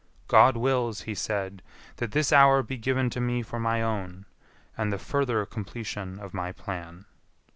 "God wills," he said, "that this hour be given to me for my own, and the further completion of my plan."